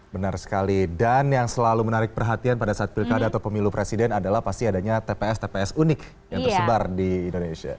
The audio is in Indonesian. benar sekali dan yang selalu menarik perhatian pada saat pilkada atau pemilu presiden adalah pasti adanya tps tps unik yang tersebar di indonesia